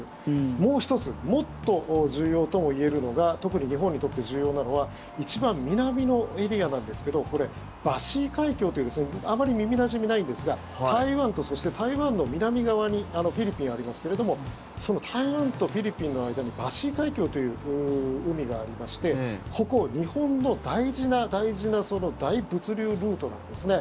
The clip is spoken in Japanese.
もう１つもっと重要ともいえるのが特に日本にとって重要なのは一番南のエリアなんですけどこれ、バシー海峡というあまり耳なじみがないんですが台湾と、そして台湾の南側にフィリピンがありますけれどもその台湾とフィリピンの間にバシー海峡という海がありましてここ、日本の大事な大事な大物流ルートなんですね。